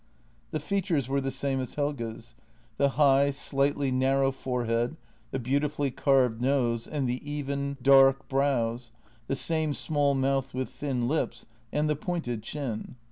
The features were the same as Helge's — the high, slightly narrow forehead, the beautifully carved nose, and the even, dark brows, the same small mouth with thin lips, and the pointed chin.